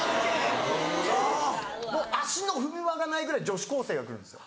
・あぁ・もう足の踏み場がないぐらい女子高生が来るんですよ。